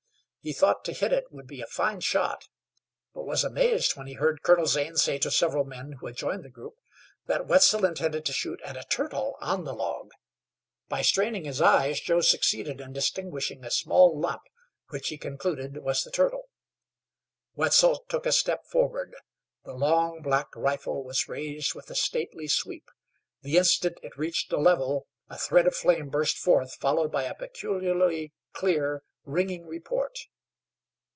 He thought to hit it would be a fine shot; but was amazed when he heard Colonel Zane say to several men who had joined the group that Wetzel intended to shoot at a turtle on the log. By straining his eyes Joe succeeded in distinguishing a small lump, which he concluded was the turtle. Wetzel took a step forward; the long, black rifle was raised with a stately sweep. The instant it reached a level a thread of flame burst forth, followed by a peculiarly clear, ringing report.